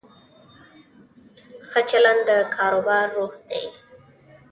ښه چلند د کاروبار روح دی.